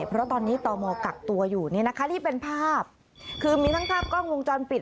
เพราะตอนนี้ตมกักตัวอยู่เนี่ยนะคะนี่เป็นภาพคือมีทั้งภาพกล้องวงจรปิด